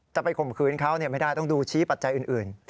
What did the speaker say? ข่มขืนเขาไม่ได้ต้องดูชี้ปัจจัยอื่น